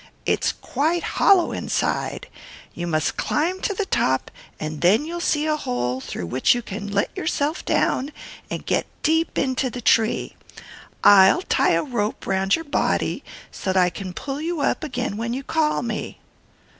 "Well, it is quite hollow inside, and you must climb to the top, when you will see a hole, through which you can let yourself down into the tree to a great depth. I will tie a rope round your body, so that I can pull you up again when you call out to me."